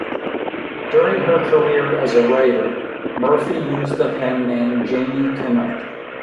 During her career as a writer, Murphy used the pen name Janey Canuck.